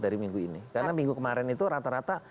dari minggu ini karena minggu kemarin itu rata rata